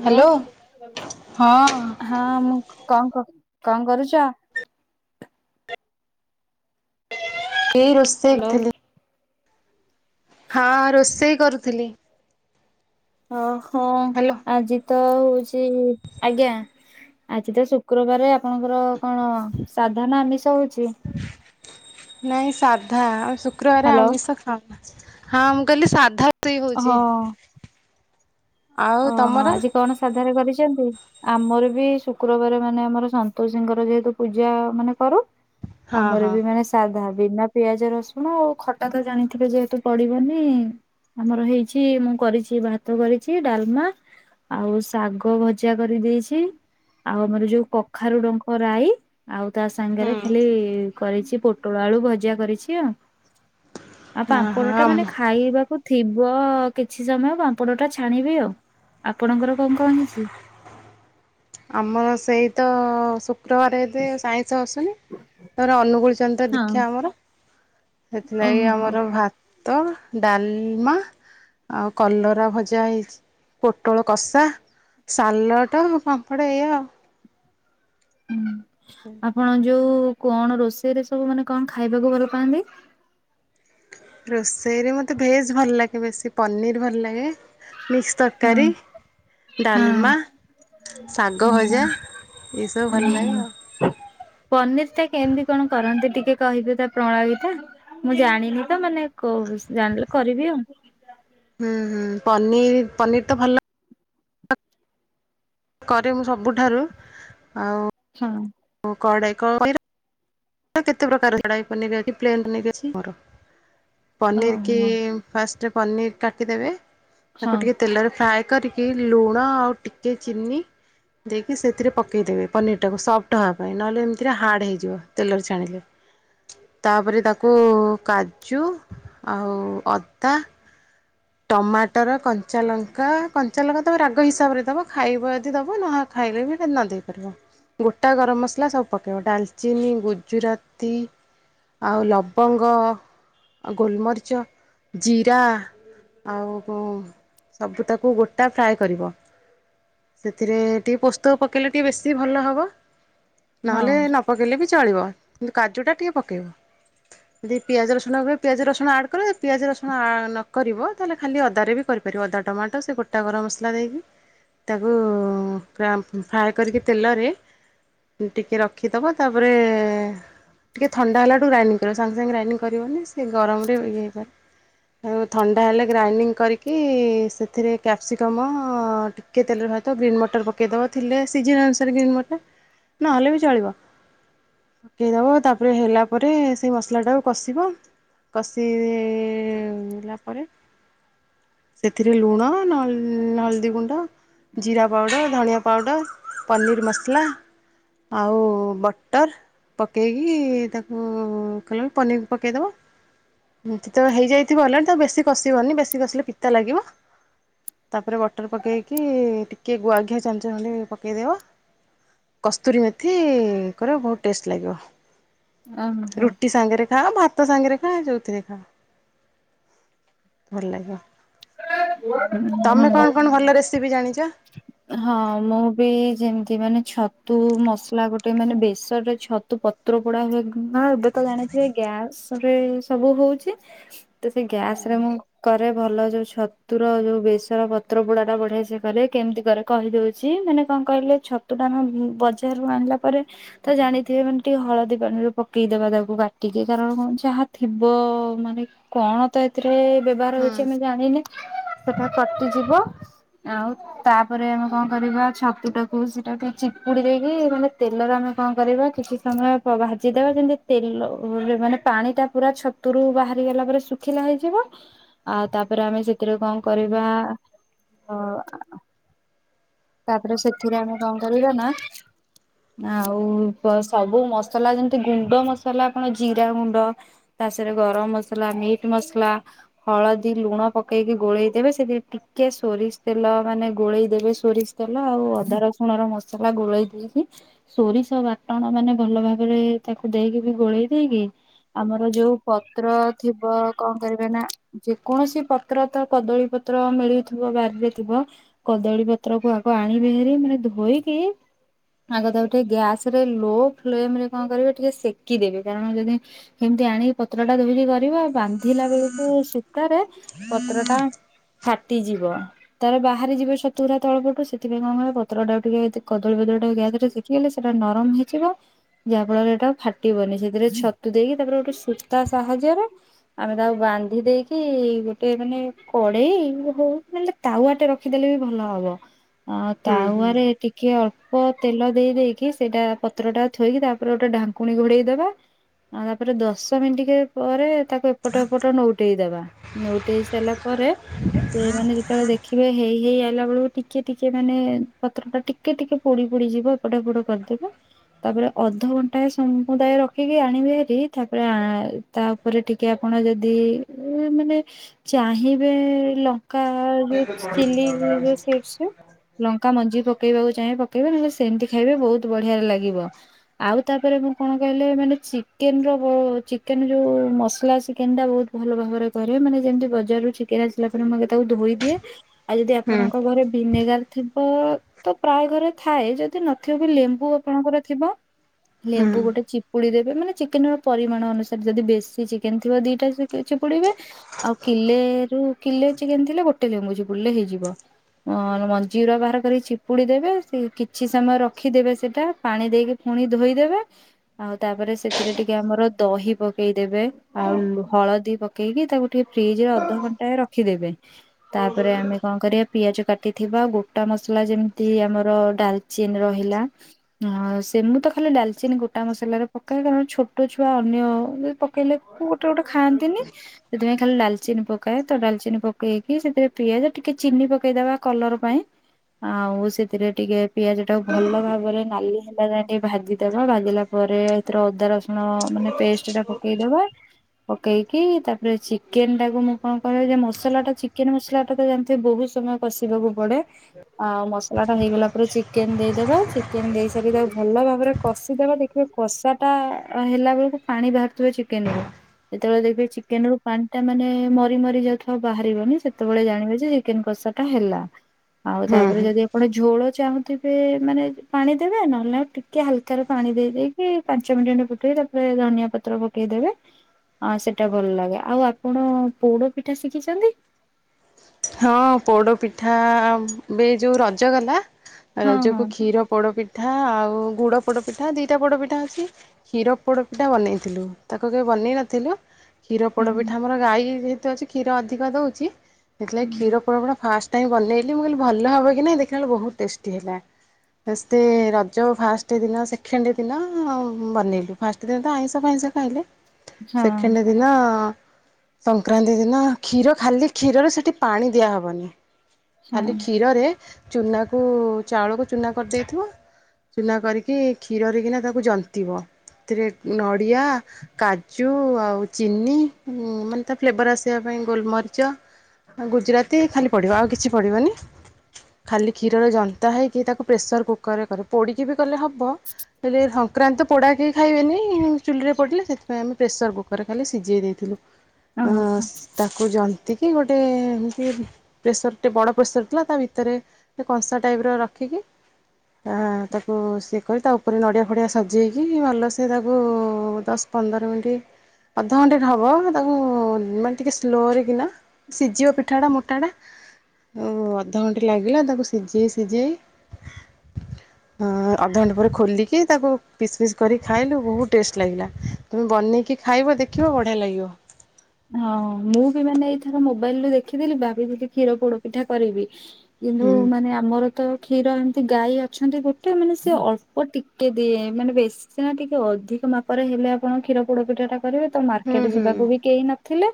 Hello hello ହଁ। ହଁ ମୁଁ କଣ କ କଣ କରୁଛ? ଏଇ ରୋଷେଇ ହ୍ୟାଲୋ। କରୁ ଥିଲି। ହଁ ରୋଷେଇ କରୁଥିଲି। ଓହୋ। ହାଲୋ। ଆଜି ତ ହଉଛି ଆଜ୍ଞା ଆଜି ତ ଶୁକ୍ରବାରେ ଆପଣଙ୍କର। କଣ ସାଧା ନା ଆମିଷ ହଉଛି? ନାଇଁ ସାଧା ଆଉ ଶୁକ୍ରବାରେ ହ୍ୟାଲୋ ଆମିଷ। ହଁ ହଁ ମୁଁ କହିଲି ସାଧା ରୋଷେଇ ହଁ ହଉଛି। ଆଉ ଓହୋ ତମର? ଆଜି କଣ ସାଧାରେ କରିଛନ୍ତି? ଆମର ବି ଶୁକ୍ରବାର ମାନେ ଆମର ସନ୍ତୋଷୀଙ୍କର ଯେହେତୁ ପୂଜା ମାନେ କରୁ। ହଁ ଆମର ହଁ ବି ମାନେ ସ ସାଧା, ବିନା ପିଆଜ, ରସୁଣ ଆଉ ଖଟା ତ ଜାଣିଥିବେ ଯେହେତୁ ପଡିବନି। ଆମର ହେଇଛି ମୁଁ କରିଛି ଭାତ କରିଛି ଡାଲମା। ଆଉ ଶାଗ ଭଜା କରିଦେଇଛି ଆଉ ଆମର ଯୋଉ କଖାରୁଡଙ୍କ ରାଇ। ଆଉ ତା ସାଙ୍ଗରେ ହୁଁ। ଖାଲି କରିଛି ପୋଟଳ ଆଳୁ ଭଜା କରିଛି ଆଉ। ଆଉ ଓହୋ ପାମ୍ପଡ଼ ଟା ଆମ ମାନେ ଖାଇବାକୁ ଥିବ କିଛି ସମୟ ପାମ୍ପଡ଼ ଟା ଛ ଛାଣିବି ଆଉ। ଆପଣଙ୍କର କଣ କଣ ହେଇଛି? ଆମର ସେଇ ତ ଶୁ ଶୁକ୍ରବାରେ ଏତେ ଆଇଁସ ଆସୁନି ତାପରେ ଅନୁକୁଳ ଚନ୍ଦ୍ର ହଁ ଦୀକ୍ଷା ଆମର। ସେଥିଲାଗି ଓହୋ। ଆମର ଭାତ, ଡାଲମା। ଆଉ କଲରା ଭଜା ହେଇଛି। ପୋଟଳ କଷା, ସାଲଟ, ପାମ୍ପଡ଼ ଏଇଆ ଆଉ। ଉ ଉଁ। ଆପଣ ଯୋଉ କଣ ରୋଷେଇରେ ସବୁ ମାନେ କଣ ଖାଇବାକୁ ଭଲ ପାଆନ୍ତି? ରୋଷେଇରେ ମୋତେ ଭେଜ୍ ଭଲ ଲାଗେ ବେଶୀ ପନିର୍ ଭଲ ଲାଗେ। ମିକ୍ସ ହଁ ତରକାରୀ, ହଁ। ଡାଲମା। ଶାଗ ହୁଁ ଭଜା ଏସବୁ ଭଲ ଲାଗେ ହୁଁ। ଆଉ। ପନିର ଟା କେମିତି କଣ କରନ୍ତି ଟିକେ କହିବେ ତା ପ୍ରଣାଳି ଟା? ମୁଁ ଜାଣିନି ତ ମାନେ କହୁସ ଜାଣିଲେ କରିବି ଆଉ। ହୁଁ ହୁଁ ପନିର ପନିର ତ ଭଲ। କରେ ମୁଁ ସବୁଠାରୁ ଆଉ। ହୁଁ। ଓ କଡାଇ କ ପନିରର। କେତେ ପ୍ରକାର କଡ଼ାଇ ପନିର ଅଛି ପ୍ଲେନ ପନିର ଅଛି ମୋର। ପନିର କି ଓହୋ। ଫାର୍ଷ୍ଟ ପନିର କାଟିଦେବେ ହଁ ତାକୁ ଟିକେ। ତେଲରେ ଫ୍ରାଏ କରିକି ଲୁଣ ଆଉ ଟିକେ ଚିନି। ଦେଇକି ସେଥିରେ ପକେଇଦେବେ ପନିର ଟାକୁ ସଫ୍ଟ ହବା ପାଇଁ ନହେଲେ ଏମିତିରେ ହାର୍ଡ଼ ହେଇଯିବ। ତେଲର ଛାଣିଲେ। ତାପରେ ତାକୁ କାଜୁ ଆଉ ଅଦା। ଟମାଟର, କଞ୍ଚା ଲଙ୍କା, କଞ୍ଚା ଲଙ୍କା ତମେ ରାଗ ହିସାବରେ ଦବ ଖାଇବ ଯଦି ଦବ ନହ ଖାଇଲେ ବି ଏ ନ ଦେଇପାରିବ। ଗୋଟା ଗରମ ମସଲା ସବୁ ପକେଇବ ଡାଲଚିନି, ଗୁଜୁରାତି। ଆଉ ଲବଙ୍ଗ ଆଉ ଗୋଲମରିଚ, ଜିରା। ଆଉ କୁ ସବୁ ତାକୁ ଗୋଟା ଫ୍ରାଏ କରିବ। ସେଥିରେ ଟିକେ ପୋସ୍ତକ ପକେଇଲେ ଟିକେ ବେଶି ଭଲ ହବ ହଁ ନହେଲେ ନ ପକେଇଲେ ବି ଚଳିବ କିନ୍ତୁ କାଜୁଟା ଟିକେ ପକେଇବ। ଯଦି ପିଆଜ ରସୁଣ କହେ ପିଆଜ ରସୁଣ ଆଡ୍ କରେ ପିଆଜ ରସୁଣ ନକରିବ। ତାହେଲେ ଖାଲି ଅଦାରେ ବି କରିପାରିବ ଅଦା ଟମାଟୋ ସେ ଗୋଟା ଗରମ ମସଲା ଦେଇକି। ତାକୁ ଫ୍ରାଏ କରିକି ତେଲରେ ଟିକେ ରଖିଦବ ତାପରେ ଟିକି ଥଣ୍ଡା ହେଲାଠୁ ରାଇଙ୍ଗ କରିବ ସଙ୍ଗେ ସାଙ୍ଗେ ରାଇନଙ୍ଗ କରିବନିଁ ଗରମ ଇଏ ହେଇପାରେ। ଆଉ ଥଣ୍ଡ ଣ୍ଡା ହେଲେ ଗ୍ରାଇଣ୍ଡିଙ୍ଗ କରିକି ସେଥିରେ କ୍ୟାପ୍ସିକମ୍ ଟିକିଏ ତେଲ ଭାଜିଦବ ଗ୍ରୀନ୍ ମଟର ପକେଇ ପକେଇଦବ ଥିଲେ ସିଜ ଅନୁସାରେ କି ମୋ ନହେଲେ ବି ଚଳିବ। ପକେଇଦବ ତାପରେ ହେଲା ପରେ ସେଇ ମସଲା ଟାକୁ କଷିବ। କଷିଲା ପରେ ସେଥିରେ ଲୁଣ ନଲ ହଳଦୀ ଗୁଣ୍ଡ ଜିରା ପାଉଡ଼ର ଧନିଆ ପାଉଡ଼ର ପନିର୍ ମସଲା। ଆଉ ବଟର ପକେଇକି ତାକୁ କିଲ ପନିରକୁ ପକେଇଦବା। ଏମିତି ତ ହେଇଯାଇଥିବ ହେଲାଣି ତ ବେଶୀ କଷିବନି ବେଶୀ କଷିଲେ ପିତା ଲାଗିବ। ତାପରେ ବଟର ପକାଇକି ଟିକଏ ଗୁଆଘିଆ ଚାମିଞ୍ଚ ଭଳି ପକାଇଦେବ। କସ୍ତୁରୀ ମେଥି କରରେ ବହୁତ ଟେଷ୍ଟ ଲାଗିବ। ଓହୋ ରୁଟି ସାଙ୍ଗରେ ଖା ଭାତ ସାଙ୍ଗରେ ଖା ଯୋଉଥିରେ ଖା। ଭଲ ଲାଗିବ। ତମେ ହଁ। କଣ କଣ ଭଲ ରେସିପି ଜାଣିଛ? [inaudible] ହଁ ମୁଁ ବି ଯେମିତି ମାନେ ଛତୁ ମସଲା ଗୋଟେ ମାନେ ବେସରରେ ଛତୁ ତ ପତ୍ର ପୁଡା ହୁଏ। ନା ଏବେ ତ ଜାଣିଥିବେ ଗ୍ୟାସ ରେ ସବୁ ହଉଛି ତ ସେ ଗ୍ୟାସ ରେ ମୁଁ କରେ ଭଲ ଯୋଉ ଛତୁର ଯୋଉ ବେସର ପତ୍ର ପୋଡାଟା ବଢିଏ ସେ କରେ। କେମିତି କରେ କହିଦଉଛି ମାନେ କଣ କହିଲେ ଛତୁ ଟା ଆମେ ବଜାରୁ ଆଣିଲା ପରେ ତା ଜାଣିଥିବେ ମାନେ ଟିକେ ହଳଦୀ ପାଣିରୁ ପକେଇଦବା ତାକୁ କାଟିକି କାରଣ କଣ ଯହା ଥିବ ମାନେ କଣ ତ ଏଥିରେ ବ୍ୟବହାର ହୁଁ ହଉଛି ଆମେ ଜାଣିନେ ସେଟା କଟିଯିବ ଆଉ ତାପରେ ଆମେ କଣ କରିବା ଛତୁ ଟାକୁ ସେଟା ଟିକେ ଚିପୁଡି ଦେଇକି ମାନେ ତେଲରେ ଆମେ କଣ କରିବା କିଛି ସମୟ ପ ଭାଜିଦବା ଯେମିତି ତେଲରେ ମାନେ ପାଣି ଟା ପୁରା ଛତୁରୁ ବାହାରି ଗଲା ପରେ ସୁ ଖିଲା ହେଇଯିବ ଆଉ ତାପରେ ଆମେ ସେଥିରେ କଣ କରିବା ଅ ତାପରେ ସେଥିରେ ଆମେ କଣ କରିବା ନା ଆଉ ସବୁ ମସଲା ଯେମିତି ଗୁଣ୍ଡ ମସଲା ଆପଣ ଜିରା ଗୁଣ୍ଡ ତାସରେ ଗରମ ମସଲା ମିଟ୍ ମସଲା। ହଳଦୀ ଲୁଣ ପକେଇକି ଗୋଳେଇଦେବେ। ସେଥିରେ ଟିକେ ସୋରିଷ ତେଲ ମାନେ ଗୋଳେଇଦେବେ ସୋରିଷ ତେଲ ଆଉ ଅଦା ରସୁଣ ର ମସଲା ଗୋଳେଇ ଦେଇକି ସୋରିଷ ବାଟଣ ମାନେ ଭଲ ଭାବରେ ତାକୁ ଦେଇକି ବି ଗୋଳେଇ ଦେଇକି। ଆମର ଯୋଉ ପତ୍ର ଥିବ କଣ କରିବେ ନା ଯେ କୌଣସି ପ ପତ୍ର ତ କଦଳୀ ପତ୍ର ମିଳୁଥିବ ବାରିରେ ଥିବ କଦଳୀ ପତ୍ରକୁ ଆଗ ପାଣି ବେହରି ମାନେ ଧୋଇକି ଆଗଥା ଗୋଟେ ଗ୍ୟାସ ରେ ଲୋ ଫ୍ଲେମ ରେ କଣ କରିବେ ଟିକେ ସେକିଦେବେ କାରଣ ଯଦି ଏମତି ଆଣିକି ପତ୍ର ଟା ଧୋଇକି କରିବା ବାନ୍ଧିଲା ବେଳକୁ ଶୀତାରେ ପତ୍ର ଟା ଫାଟିଯିବ ତାର ବାହାରି ଯିବ ସତୁରୁର ତଳପଟୁ ସେ ସେ କଣ କ ପତ୍ର ଟାକୁ ଟିକେ କଦଳୀ ବଦଳ ଗ୍ୟାସ ରେ ଶଖିଲେ ସେଟା ନରମ ହେଇଯିବ। ଯାହାଫଳରେ ଏଇଟା ଫାଟିବନି ସେଥିରେ ଛତୁ ଦେଇକି ତାପରେ ଗୋଟେ ସୂତା ସାହାଯ୍ୟରେ ଆମେ ତାକୁ ବାନ୍ଧି ଦେଇକି ଗୋଟେ ମାନେ କଡେଇ ହଉ ମାନେ ତାୱା ଟେ ରଖିଦେଲେ ବି ଭଲ ହବ ଆ ହୁଁ ହୁଁ ତାୱ ରେ ଟିକେ କିଏ ଅଳ୍ପ ତେଲ ଦେଇ ଦେଇେଇକି ସେଇଟା ପତ୍ର ଟା ଥୋଇକି ତାପରେ ଗୋଟେ ଢାଙ୍କୁଣୀ ଘୋଡ଼େଇଦବା। ଆଉ ତାପରେ ଦଶ ମିନିଟ ପରେ ତାକୁ ଏପଟ ଏପଟ ନଉଟେଇଦବା। ନୋଟେ ହେଇସାରିଲା ପରେ ସେମାନୋନେ ଯେତେବେଳେ ଦେଖିବେ ହେଇ ହେଇ ଆସିଲା ବେଳକୁ ଟିକେ ଟିକେ ମାନେ ପତ୍ର ଟା ଟିକେ ଟିକେ ପୋଡି ପୋଡି ଯିବ ଏପଟ ଏପଟ କରିଦେବ। ତାପରେ ଅଧଘଣ୍ଟାଏ ସମୁଦାୟ ରଖିକି ଆଣିବି ହେରି ତାପରେ ଆ ତା ଉପରେ ଟିକେ ଆପଣ ଯଦି ମାନେ ଚାହିଁବେ ଲ କା ଚିଲି ଏୟୀ ଜୋ ଚିପ୍ସ। ଲଙ୍କା ମଞ୍ଜି ପକେଇବାକୁ ଚାହିଁବେ ପକେଇବେ, ନହେଲେ ସେମିତି ଖାଇବେ ବହୁତ ବଢିଆରେ ଲାଗିବ। ଆଉ ତାପରେ ମୁଁ କଣ କହିଲେ, ମାନେ ଚିକେନ ର ଚିକେନ ଯୋଉ ମସଲା ଚିକେନ ଟା ବହୁତ ଭଲ ଭାବରେ କରିବେ ମାନେ, ଯେମିତି ବଜାରରୁୁ ଚିକେନ ଆସିଲା ପରେ, ମୁ ତାକୁ ଧୋଇ ଦିଏ। ଆଉ ଯଦି ହୁଁ ଆପଣଙ୍କ ଘରେ ଭିନେଗାର ଥିବ ତ ପ୍ରାୟ ଘରେ ଥାଏ, ଯଦି ନଥିବ କି ଲେମ୍ବୁ ଆପଣଙ୍କର ଥିବ? ଲେମ୍ବୁ ଗୋଟେ ଚିପ ଚିପୁଡିଦେବେ ମାନେ ଚିକେନ ର ପରିମାଣ ଅନୁସାରେ, ଯଦି ବେଶୀ ଚିକେନ ଥିବ ଦିଟା ଚିପୁଡ଼ିବେ। ଆଉ କିଲେରୁ କିଲେ ଚିକେନ୍ ଥିଲେ ଗୋଟେ ଲେମ୍ବୁ ଚିପୁଡ଼ିଲେ ହେଇଯିବ। ଆ ମନ ଚିର ବାହାର କରି ଚିପୁଡ଼ି ଦେବେ, ସେ କିଛି ସମୟ ରଖିଦେବେ ସେଟା, ପାଣି ଦେଇକି ପୁଣି ଧୋଇଦେବେ। ଆଉ ତାପରେ ସେଥିରେ ଟିକେ ଆମର ଦହି ପକେଇଦେବେ ଆଉ ହଳଦୀ ପକେଇ ପକେଇକି ତାକୁ ଟିକେ ଫ୍ରିଜ ରେ ଅଧଘଣ୍ଟାଏ ରଖିଦେବେ। ତାପରେ ଆମେ କଣ କରିବା ପିଆଜ କାଟିଥିବା। ଗ ଗୋଟା ମସଲା ଯେମିତି ଆମର ଡାଲଚିନ୍ ରହିଲା। ହ ସେ ମୁଁ ତ ଖାଲି ଡାଲଚିନି ଗୋଟା ମସଲାରେ ପକାଏ କାରଣ ଛୋଟ ଛୁଆ ଅନ୍ୟ ପକେଇଲେ। ଗୋଟେ ଗୋଟେ ଖାଆନ୍ତିନି। ସେଥିପାଇଁ ଖାଲି ଡାଲଚିନି ପକାଏ ତ ଡାଲଚିନି ପକେଇକି ସେଥିରେ ପିଆଜ ଟିକେ ଚିନି ପକେଇଦବା କଲର ପାଇଁ। ଆଉ ସେଥିରେ ଟିକେ ପିଆଜ ଟାକୁ ଭଲ ଭାବରେ ନାଲି ହେଲା ଯା ଟିକେ ଭାଜି ଦେବା ଭାଜିଲା ପରେ ଏଥିରେ ଅଦା ରସୁଣ ମାନେ ପେଷ୍ଟ ଟା ପକେଇଦବା। ପକେଇକି ତାପରେ ଚିକେନ ଟାକୁ ମୁଁ କଣ କହିବି ମସଲା ଟା ଚିକେନ ମସଲା ଟା ତ ଜାଣିଥିବେ ବହୁତ ସମୟ ପଶିବାକୁ ପଡେ। ଆଉ ମସଲା ଟା ହେଇଗଲା ପରେ, ଚିକେନ ଦେଇଦବା ଚିକେନ ଦେଇ ସାରିକି ତା ଆଉ ଭଲ ଭାବରେ କଷିଦବା ଦେଖି କଷା ଟା ହେଲା ବେଳକୁ ପାଣି ବାହାରୁଥିବ ଚିକେନ ରୁ। ଯେତେବେଳେ ଦେଖିବେ ଚିକେନ ରୁ, ପାଣି ଟା ମାନେ ମରି ମରି ଯାଉଥିବା ବାହାରିବନି, ସେତେବେଳେ ଜାଣିବେ ଯେ ଚିକେନ କଷା ଟା ହେଲା ଆଉ ହୁଁ। ହୁଁ। ତାପରେ ଯଦି ଆପଣ ଝୋଳ ଚାହୁଁଥିବେ ଏ ମାନେ ପାଣି ଦେବେ, ନହେଲେ ନାହିଁ ଟିକେ ହାଲକା ରେ ପାଣି ଦେଇକି ପାଞ୍ଚ ମିନିଟ ଖଣ୍ଡେ ଫୁଟେଇ ରେ ଧନିଆ ପତ୍ର ପକେଇଦେବେ। ହଁ ସେଟା ଭଲ ଲାଗେ ଆଉ ଆପଣ ପୋଡ ପିଠା ଶିଖିଛନ୍ତି। ହଁ ପୋଡ଼ ପିଠା ଏବେ ଯୋଉ ରଜ ଗଲା। ହଁ ହଁ ରଜକୁ କ୍ଷୀର ପୋଡପିଠା ଆଉ ଗୁଡ ପୋଡ଼ପିଠା ଦିଇଟା ପୋଡ଼ପିଠା ଅଛି କ୍ଷୀର ପୋଡ଼ପିଠା ବନେଇଥିଲୁ। ତାକୁ କେବେ ବନେଇ ନଥିଲୁ। କ୍ଷୀର ହଁ ପୋଡ଼ ପିଠା ଆମର ଗାଈ ଯେହେତୁ ଅଛି କ୍ଷୀର ଅଧିକ ଦେଉଛି। ସେଥିଲାଗି କ୍ଷୀର ପୋଡ଼ ପିଠା ଫାଷ୍ଟ [unintelligible] ବେନେଇଲି ମୁଁ କହିଲି ଭଲ ହବ କି ନାଇ ଦେଖିଲା ବେଳକୁ ବହୁତ ଟେଷ୍ଟି ହେଲା। ଫାଷ୍ଟ ରଜ ଫାଷ୍ଟ ଦିନ ସେକେଣ୍ଡ ଦିନ ବନେଇଲୁ। ଫାଷ୍ଟ ଦିନ ତ ଆଇଁଷ ଫାଇଁସ ଖାଇଲେ। ହଁ ସେକେଣ୍ଡ ଦିନ ସଂକ୍ରାନ୍ତି ଦିନ କ୍ଷୀର ଖାଲି କ୍ଷୀରରୁ ସେ ସେ ପାଣି ଦିଆହେବନି ହଁ। ଖାଲି କ୍ଷୀରରେ ଚୁନାକୁ ଚାଉଳକୁ ଚୂନା କରିଦେଇଥିବ। ଚୁନା କରିକି କ୍ଷୀରରେ କିିନା ତାକୁ ଜନ୍ତିବ ସେଥିରେ ନଡିଆ କାଜୁ ଆଉ ଚିନି ମାନେ ତା ଫ୍ଲେଭର ଆସିବା ପାଇଁ ଗୋଲମରିଚ। ଗୁଜୁରାତି ଖାଲି ପଢିବ ଆଉ କିଛି ପଡିବନି। ଖାଲି କ୍ଷୀରରେ ଜନ୍ତା ହେଇକି, ତାକୁ ପ୍ରେସର କୁକର ରେ କରେ, ପୋଡିକି ବି କଲେ ହବ। ହେଲେ ସଂକ୍ରାନ୍ତି ତ ପୋଡ଼ା କେହି ଖାଇବେନି ଚୁଲିରେ ପଡ଼ିଲେ ସେଥିପାଇଁ ଆମେ ପ୍ରେସରକୁୁକ୍ କୁକରରେ ଖାଲି ସିଝେଇ ଦେଇଥିଲୁ ଓହୋ ତାକୁ ଜନ୍ତିକି ଗୋଟେ ଏମିତି ପ୍ରେସର ଟେ ବଡ ପ୍ରେସର ଥିଲା ତା ଭିତରେ କଂସା ଟାଇପ ର ରଖିକି ତା ତାକୁ ସିଏ କରି ତା ଉପରେ ନଡ଼ିଆ ଫଡ଼ିଆ ସଜେଇକି ଭଲସେ ତାକୁ ଦଶ ପନ୍ଦର ମିନିଟ୍ ଅଧଘଣ୍ଟେକେ ହବ ତାକୁ ମାନେ ଟିକେ ସ୍ଲୋରେ କିନା ସିଝିବ ପିଠାଟା ମୋଟାଟା ଓ ଅଧଘଣ୍ଟେ ଲାଗିଲା ତାକୁ ସିଝେଇ ସିଝେଇ ଅଧଘଣ୍ଟା ପରେ ଖୋଲିକି ତାକୁ ପିସ୍ ପିସ୍ କରି ଖାଇଲୁ ବହୁତ ଟେଷ୍ଟ ଲାଗିଲା। ତୁମେ ବନେଇକି ଖାଇବ ଦେଖିବ ବଢ଼ିଆ ଲାଗିବ। ହଁ ମୁଁ ବି ମାନେ ଏଇଥର ମୋବାଇଲ ରୁ ଦେଖିଥିଲି ଭାବିଥିଲି କ୍ଷୀର ପୋଡ ପିଠା କରିବି। କିନ୍ତୁ ହୁଁ ମାନେ ଆମର ତ କ୍ଷୀର ଏମିତି ଗାଈ ଅଛନ୍ତି ଗୋଟେ ମାନେ ସେ ଅଳ୍ପ ଟିକେ ଦିଏ ମାନେ ବେଶୀ ସିନା ଟିକେ ଅଧିକ ମାପରେ ହେଲେ ଆପଣ କ୍ଷୀର ପୋଡ ପିଠାଟା କରିବେ ତ ହୁଁ ମାର୍କେଟ ହୁଁ ଯିବାକୁ ବି କେହି ନଥିଲେ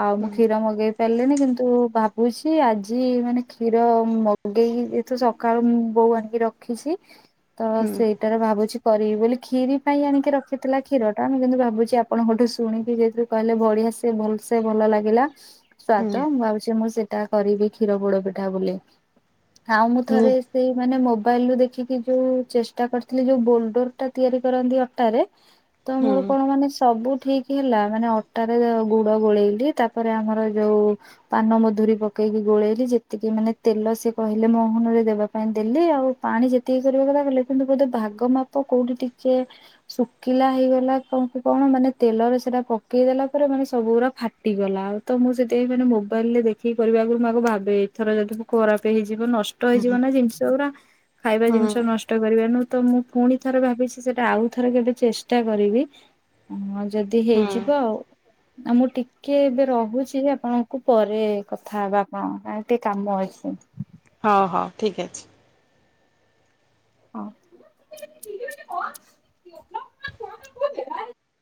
ଆଉ ମୁଁ କ୍ଷୀର ମଗେଇ ପାରିଲେଣି କିନ୍ତୁ ଭାବୁଛି ଆଜି ମାନେ କ୍ଷୀର ମଗେଇକି ତ ସକାଳୁ ମୁଁ ବୋଉ ଆଣିକି ରଖିଛି ତ ସେଇ ଏଟାରେ ଭାବୁଛି କରିବି ବୋଲି କ୍ଷୀରି ପାଇଁ ଆଣିକି ରଖିଥିଲା କ୍ଷୀରଟା। ମୁଁ କିନ୍ତୁ ଭାବୁଛି ଆପଣଙ୍କଠୁ ଶୁଣିକି ସେଥିରୁ କହିଲେ ବଢିଆ ସେ ଭଲ ସେ ଭଲ ଲାଗିଲା। ହୁଁ ସ୍ଵାଦ ହୁଁ ମୁଁ ଭାବୁଛି ମୁଁ ସେ ଟା କରିବି କ୍ଷୀର ପୋଡ ପିଠା ବୋଲି ଆଉ ମୁଁ ହୁଁ ଥରେ ସେଇମାନେ ମୋବାଇଲରୁ ଦେଖିକି ଯୋଉ ଚେଷ୍ଟା କରିଥିଲି ଯୋଉ ବୋଲଡର ଟା ତିଆରି କରନ୍ତି ଅଟା ରେ ତ ମୋର ହୁଁ କଣ ମାନେ ସବୁ ଠିକ ହେଲା ମାନେ ଅଟାରେ ଗୁଡ଼ ଗୋଳେଇଲି ତାପରେ ଆମର ଯଉ ପାନ ମଧୁରୀ ପକେଇକି ଗୋଳେଇଲି ଯେତିକି ମାନେ ତେଲ ସେ କହିଲେ ମହନରେ ଦେବାକୁ ପାଇଁ ଦେଲି ଆଉ ପାଣି ଯେତିକି କରିବା କଥା ହେଲେ କିନ୍ତୁ ବୋଧେ ଭାଗ ମାପ କୋଉଠି ଟିକେ ଶୁଖିଲା ହେଇଗଲା କଣ ମାନେ ତେଲରେ ସେଟା ପକେଇ ଦେଲା ପରେ ମାନେ ସବୁ ଗୁରା ଫାଟିଗଲା ଆଉ ତ ମୁଁ ସେଥିପାଇ ମାନେ ମୋବାଇଲ ରେ ଦେଖିକି କରିବା ଆଗ ମୁଁ ଭାବେ। ଏଥର ଯଦି ଖରାପ ହେଇଯିବ ନଷ୍ଟ ହେଇଯିବ ନା ଜିନିଷ ଗୁରା ଖାଇବା ହୁଁ ଜିନିଷ ନଷ୍ଟ କରିବା ନୁ ତ ମୁଁ ପୁଣି ଥରେ ଭାବିଛି ସେଟା ଆଉ ଥରେ କେବେ ଚେଷ୍ଟା କରିବି। ହଁ ଯଦି ହୁଁ ହେଇଯିବ ଆଉ। ଆ ମୁଁ ଟିକେ ଏବେ ରହୁଛି ଆପଣଙ୍କୁ ପରେ କଥା ହେବା ଆପଣଙ୍କ କ ଟିକେ କାମ ଅଛି। ହଁ ହଁ ଠିକ୍ ଅଛି। [inaudible]